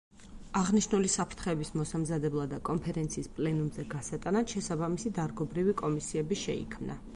აღნიშნული საფრთხეების მოსამზადებლად და კონფერენციის პლენუმზე გასატანად შესაბამისი დარგობრივი კომისიები შეიქმნა.